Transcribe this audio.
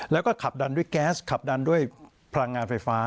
แล้วก็ขับดันด้วยแก๊สขับดันด้วยพลังงานไฟฟ้า